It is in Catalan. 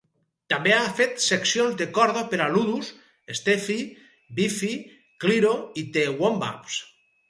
També ha fet seccions de corda per a Ludus, Stefy, Biffy Clyro i The Wombats.